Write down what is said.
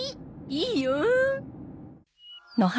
いいよん。